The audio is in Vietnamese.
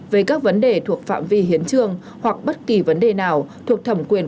về các vấn đề thuộc phạm vi hiến trường hoặc bất kỳ vấn đề nào thuộc thẩm quyền